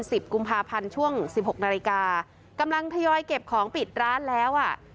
สิบกุมภาพันธ์ช่วงสิบหกนาฬิกากำลังทยอยเก็บของปิดร้านแล้วอ่ะ